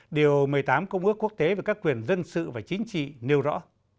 điều một mươi tám công ước quốc tế về các quyền dân sự và chính trị nêu rõ